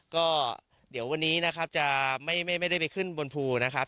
ก็เดี๋ยววันนี้นะครับจะไม่ได้ไปขึ้นบนภูนะครับ